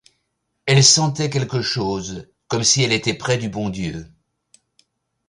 Elle sentait quelque chose comme si elle était près du bon Dieu.